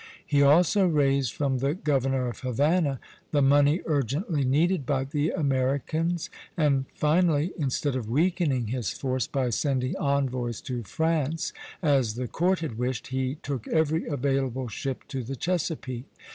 He also raised from the governor of Havana the money urgently needed by the Americans; and finally, instead of weakening his force by sending convoys to France, as the court had wished, he took every available ship to the Chesapeake.